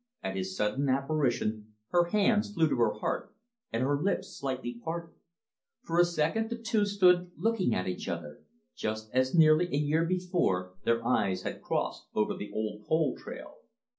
At his sudden apparition, her hands flew to her heart, and her lips slightly parted. For a second the two stood looking at each other, just as nearly a year before their eyes had crossed over the old pole trail.